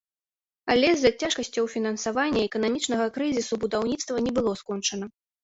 Але з-за цяжкасцяў фінансавання і эканамічнага крызісу, будаўніцтва не было скончана.